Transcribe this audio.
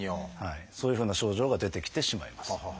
そういうふうな症状が出てきてしまいます。